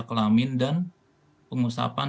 kelamin dan pengusapan